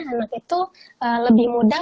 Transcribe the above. anak itu lebih mudah